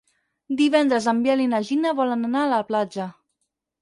Divendres en Biel i na Gina volen anar a la platja.